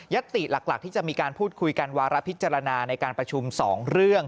ติหลักที่จะมีการพูดคุยกันวาระพิจารณาในการประชุม๒เรื่อง